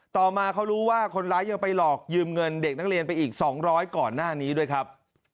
ต่อมาเขารู้ว่าคนร้ายยังไปหลอกยืมเงินเด็กนักเรียนไปอีก๒๐๐ก่อนหน้านี้ด้วยครับ